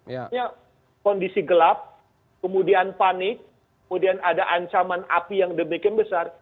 maksudnya kondisi gelap kemudian panik kemudian ada ancaman api yang demikian besar